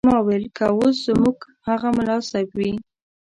ما ویل که اوس زموږ هغه ملا صیب وي.